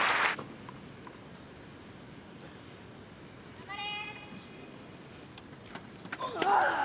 ・頑張れ！